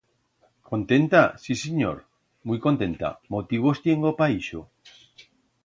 Contenta, sí sinyor, muit contenta, motivos tiengo pa ixo.